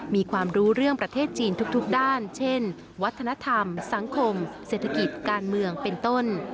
มีความรู้เรื่องประเทศจีนทุกด้านเช่นวัฒนธรรมสังคมเศรษฐกิจการเมืองเป็นต้น